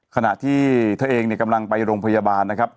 ขณะที่เธอเองเนี่ยกำลังไปโรงพยาบาลนะครับ